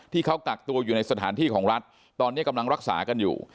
ที่เขากักตัวอยู่ในสถานที่ของรัฐตอนนี้กำลังรักษากันอยู่